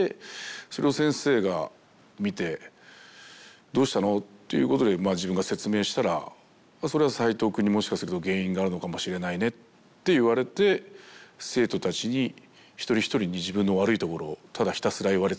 それを先生が見て「どうしたの？」っていうことで自分が説明したら「それは斉藤くんにもしかすると原因があるのかもしれないね」って言われて生徒たちに一人一人に自分の悪いところをただひたすら言われ続けるというのが。